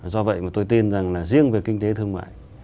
do vậy mà tôi tin rằng là riêng về kinh tế thương mại